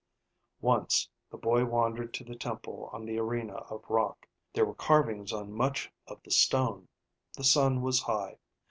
Once the boy wandered to the temple on the arena of rock. There were carvings on much of the stone. The sun was high.